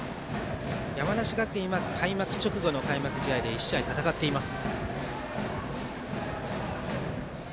山梨学院は開幕直後の開幕試合で１試合戦っています。